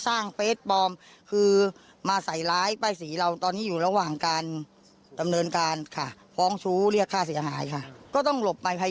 อย่างเมื่อวานเขาทำอะไรบ้างครับพี่